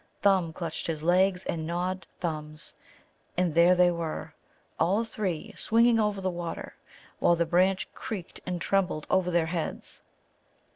Thumb clutched his legs and Nod Thumb's; and there they were, all three swinging over the water, while the branch creaked and trembled over their heads.